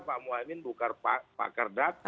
pak muhaymin bukan pakar data